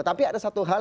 tapi ada satu hal